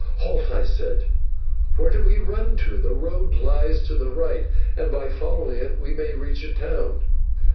"Halt," I said, "where do we run to? The road lies to the right, and by following it we may reach a town."